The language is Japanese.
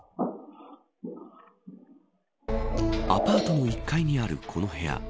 アパートの１階にあるこの部屋。